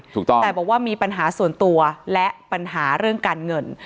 ถูกต้องแต่บอกว่ามีปัญหาส่วนตัวและปัญหาเรื่องการเงิน